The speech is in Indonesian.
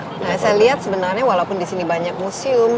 nah saya lihat sebenarnya walaupun di sini banyak museum